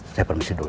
saya permisi dulu